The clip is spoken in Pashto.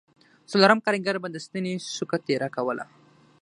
څلورم کارګر به د ستنې څوکه تېره کوله